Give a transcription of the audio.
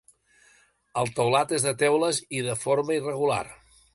El teulat és de teules i de forma irregular.